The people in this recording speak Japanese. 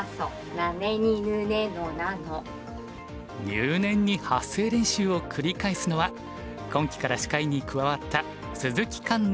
入念に発声練習を繰り返すのは今期から司会に加わった鈴木環那